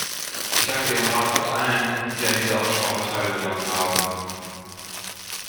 Ich danke dem Rat und allen, die an dieser Aussprache teilgenommen haben.